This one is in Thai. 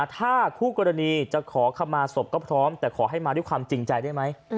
ถ้าคู่กรณีจะขอคำมาศพก็พร้อมแต่ขอให้มาด้วยความจริงใจได้ไหม